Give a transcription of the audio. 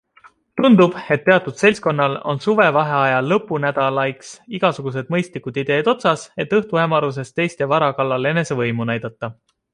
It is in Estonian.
Tundub, et teatud seltskonnal on suvevaheaja lõpunädalaiks igasugused mõistlikud ideed otsas, et õhtuhämaruses teiste vara kallal enese võimu näidata.